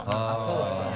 そうですよね。